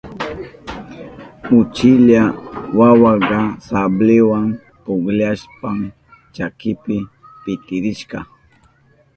Uchilla wawaka sabliwa pukllashpan chakinpi pitirishka.